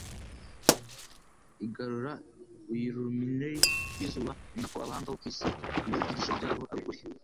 igarura uilmniri rw'izuba, ni nako abahanga bo ku isi, iyo ibyigisho bya bo ari ukuri,